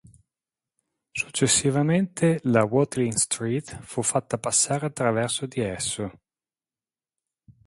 Successivamente, la Watling Street fu fatta passare attraverso di esso.